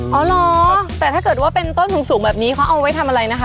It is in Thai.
อ๋อเหรอแต่ถ้าเกิดว่าเป็นต้นสูงแบบนี้เขาเอาไว้ทำอะไรนะคะ